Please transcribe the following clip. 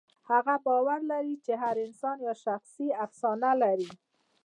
هغه باور لري چې هر انسان یوه شخصي افسانه لري.